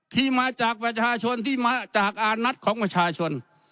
ที่มาจากประชาชนที่มาจากอานัทของประชาชน